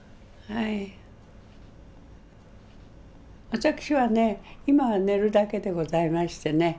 私はね今は寝るだけでございましてね